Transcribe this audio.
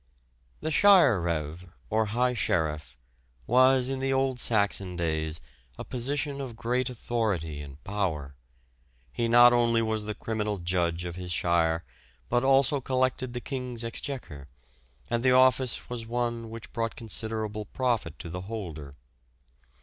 The Shire reve, or high sheriff, was in the old Saxon days a position of great authority and power. He not only was the criminal judge of his shire, but also collected the King's exchequer, and the office was one which brought considerable profit to the holder.